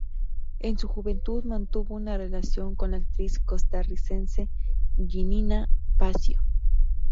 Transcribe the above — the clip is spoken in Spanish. En su juventud, mantuvo una relación con la actriz costarricense Giannina Facio.